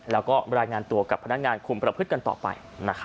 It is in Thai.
แล้วก็รายงานตัวกับพนักงานคุมประพฤติกันต่อไป